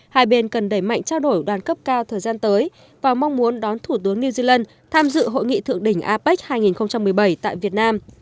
hai bên cần đẩy mạnh trao đổi đoàn cấp cao thời gian tới và mong muốn đón thủ tướng new zealand tham dự hội nghị thượng đỉnh apec hai nghìn một mươi bảy tại việt nam